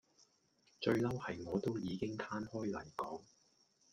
最嬲係我都已經攤開嚟講